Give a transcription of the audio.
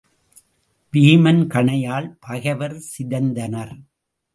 வீமன் கணையால் பகைவர் சிதைந்தனர்.